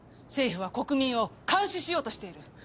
政府は国民を監視しようとしている。